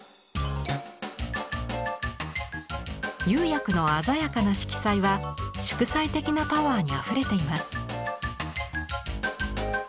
釉薬の鮮やかな色彩は祝祭的なパワーにあふれています。